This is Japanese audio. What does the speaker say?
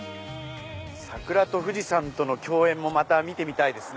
桜と富士山との共演もまた見てみたいですね。